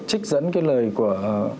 trích dẫn cái lời của